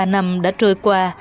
ba năm đã trôi qua